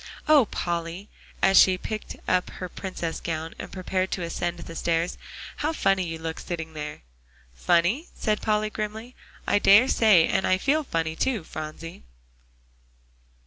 Oh, Polly!" as she picked up her Princess gown and prepared to ascend the stairs, "how funny you look sitting there!" "Funny?" said Polly grimly. "I dare say, and I feel funny too, Phronsie."